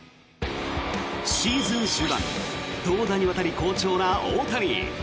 シーズン終盤投打にわたり好調な大谷。